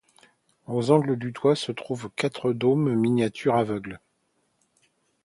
Aux angles du toit se trouvent quatre dômes miniatures aveugles.